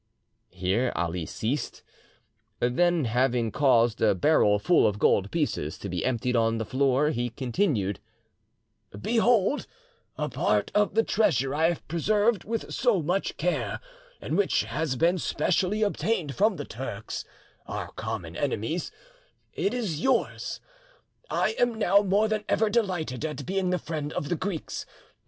Here Ali ceased, then having caused a barrel full of gold pieces to be emptied on the floor, he continued: "Behold a part of the treasure I have preserved with so much care, and which has been specially obtained from the Turks, our common enemies: it is yours. I am now more than ever delighted at being the friend of the Greeks.